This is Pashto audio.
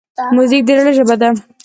موزیک د زړه ژبه ده.